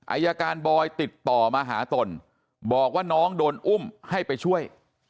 อายการบอยติดต่อมาหาตนบอกว่าน้องโดนอุ้มให้ไปช่วย